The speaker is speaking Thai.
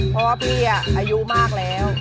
เพราะว่าพี่อายุมากแล้ว